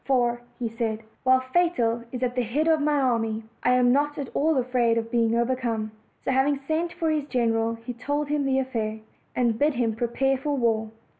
"For," said he, "while Fatal is at the head of my army, I am not at all afraid of being overcome." So, having sent for his general, he told him the affair, and bid him prepare for war.